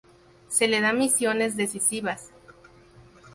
Se le dan misiones decisivas.